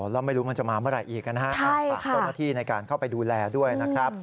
แล้วไม่รู้มันจะมาเมื่อไหร่อีกนะฮะฝากเจ้าหน้าที่ในการเข้าไปดูแลด้วยนะครับ